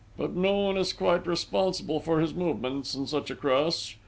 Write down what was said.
"But no one is quite responsible for his movements in such a crush!...